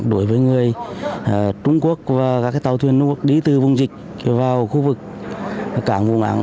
đối với người trung quốc và các tàu thuyền nước đi từ vùng dịch vào khu vực cảng vũng áng